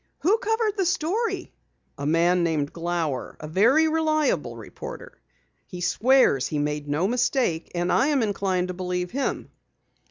"Who covered the story, Dad?" "A man named Glower, a very reliable reporter. He swears he made no mistake, and I am inclined to believe him."